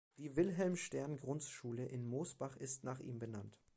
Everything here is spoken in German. Die "Wilhelm-Stern-Grundschule" in Mosbach ist nach ihm benannt.